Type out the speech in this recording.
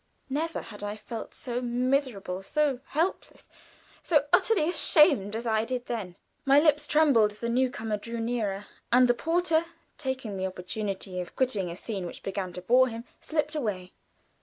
Never had I felt so miserable, so helpless, so utterly ashamed as I did then. My lips trembled as the new comer drew nearer, and the porter, taking the opportunity of quitting a scene which began to bore him, slipped away.